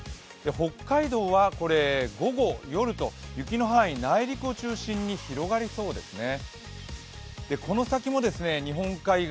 北海道は午後、夜と雪の範囲、内陸を中心に広がりそうですね。